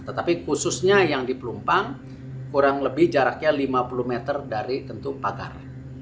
tetapi khususnya yang di pelumpang kurang lebih jaraknya lima puluh meter dari tentu pagar